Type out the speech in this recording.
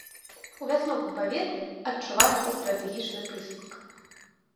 У вясновым паветры адчуваецца стратэгічны прысмак.